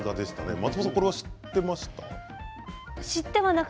松本さんは知っていましたか？